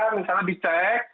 misalnya di cek di sipri ya